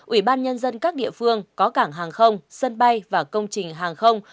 ủy ban nhân dân các địa phương có cảng hàng không sân bay và công trình hàng không